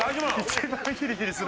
一番ヒリヒリする。